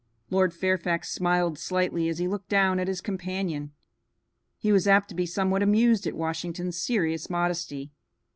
Lord Fairfax smiled slightly as he looked down at his companion. He was apt to be somewhat amused at Washington's serious modesty.